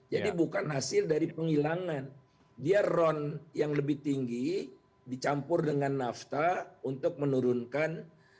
jadi bukan hasil dari penghilangan dia ron yang lebih tinggi dicampur dengan nafta untuk menurunkan